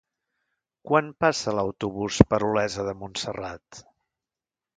Quan passa l'autobús per Olesa de Montserrat?